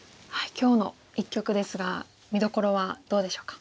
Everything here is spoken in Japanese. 今日の一局ですが見どころはどうでしょうか？